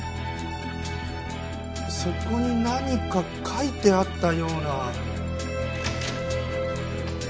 そこに何か書いてあったような。